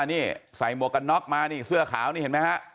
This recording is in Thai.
นี่ใส่หมวกกันน็อกมานี่เสื้อขาวนี่เห็นไหมฮะ